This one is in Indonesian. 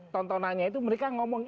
tontonannya itu mereka ngomong